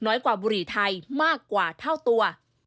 กว่าบุหรี่ไทยมากกว่าเท่าตัว